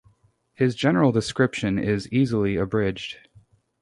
His general description is easily abridged.